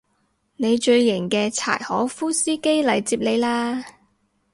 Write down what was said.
你最型嘅柴可夫司機嚟接你喇